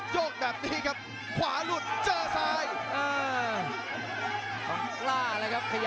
โยกแบบนี้ครับขวาหลุดเจอซ้ายเออ